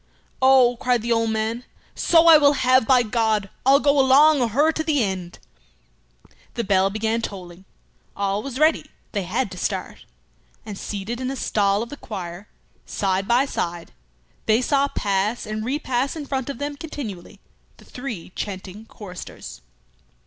"Oh," cried the old man, "so I will have, by God! I'll go along o' her to the end!" The bell began tolling. All was ready; they had to start. And seated in a stall of the choir, side by side, they saw pass and repass in front of them continually the three chanting choristers.